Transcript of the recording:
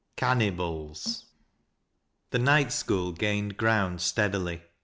'OAUNYBLES/ The night school gained ground steadily.